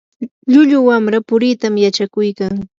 llullu wamra puriita yachakuykan.